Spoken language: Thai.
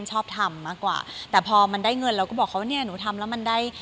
ชอบทำมากกว่าแต่พอมันได้เงินเราก็บอกเขาเนี่ยหนูทำแล้วมันได้